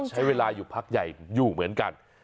ใช้เวลาอยู่พักใหญ่อยู่เหมือนกัน